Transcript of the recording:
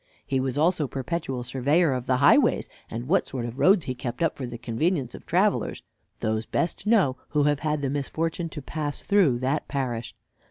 He was also perpetual surveyor of the highways, and what sort of roads he kept up for the convenience of travelers, those best knew who have had the misfortune to pass through that parish.